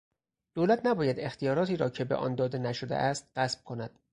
دولت نباید اختیاراتی را که به آن داده نشده است غصب کند.